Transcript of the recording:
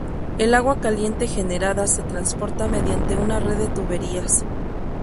El agua caliente generada se transporta mediante una red de tuberías.